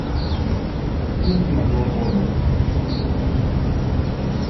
天気は良好です